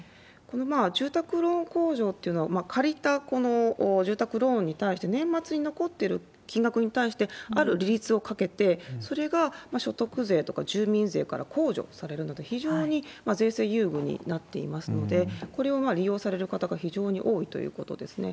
住宅ローン控除っていうのは、借りたこの住宅ローンに対して、年末に残ってる金額に対してある利率を掛けて、それが所得税とか住民税から控除されるので、非常に税制優遇になっていますので、これを利用される方が非常に多いということですね。